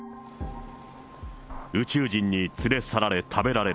宇宙人に連れ去られ食べられる。